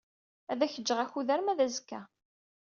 Ad ak-jjeɣ akud arma d azekka.